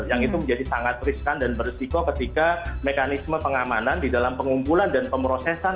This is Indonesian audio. yang itu menjadi sangat riskan dan beresiko ketika mekanisme pengamanan di dalam pengumpulan dan pemrosesan